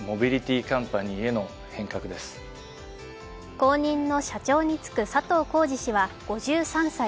後任の社長に就く佐藤恒治氏は５３歳。